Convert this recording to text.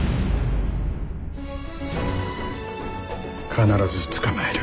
必ず捕まえる。